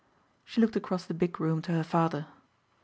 She looked across the big room to her father.